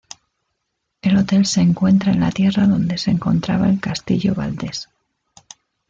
El hotel se encuentra en la tierra donde se encontraba el Castillo Valdes.